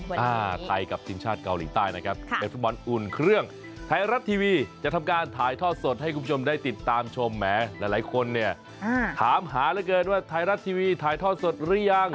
อ่าไทยกับทีมชาติเกาหลีใต้นะครับในฟุตบอลอุ่นเครื่องไทยรัฐทีวีจะทำการถ่ายทอดสดให้คุณผู้ชมได้ติดตามชมแหมหลายคนเนี่ยถามหาเหลือเกินว่าไทยรัฐทีวีถ่ายทอดสดหรือยัง